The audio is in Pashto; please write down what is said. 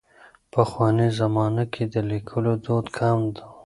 پخوانۍ زمانه کې د لیکلو دود کم و.